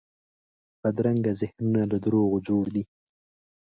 بدرنګه ذهنونه له دروغو جوړ دي